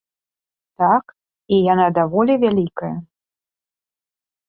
Так, і яна даволі вялікая.